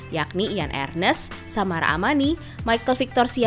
yakni ian ernest samara amani michael victor siamat